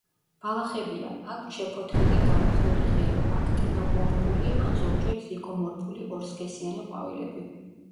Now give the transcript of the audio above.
ბალახებია, აქვთ შეფოთლილი დამუხლული ღერო, აქტინომორფული ან ზოგჯერ ზიგომორფული ორსქესიანი ყვავილები.